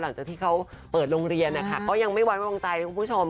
หลังจากที่เขาเปิดโรงเรียนนะคะก็ยังไม่ไว้วางใจคุณผู้ชม